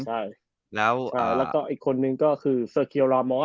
ใช่แล้วก็อีกคนนึงก็คือเซอร์เกียร์ลามอส